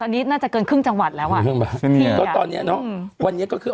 น่าจะเกินครึ่งจังหวัดแล้ว